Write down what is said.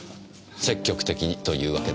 積極的にというわけですか。